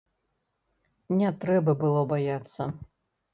Не трэба было баяцца.